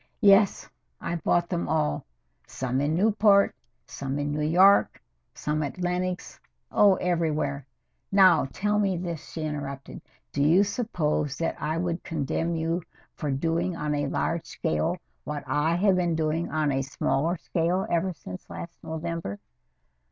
"Yes, I bought them all. Some in Newport, some in New York, some at Lenox oh, everywhere! Now, tell me this," she interrupted. "Do you suppose that I would condemn you for doing on a large scale what I have been doing on a smaller scale ever since last November?"